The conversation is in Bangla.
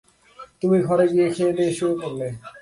তুমি ঘরে গিয়ে খেয়ে দেয়ে শুয়ে পড়লে।